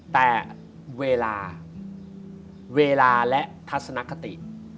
แต่เวลาเวลาและทัศนคติ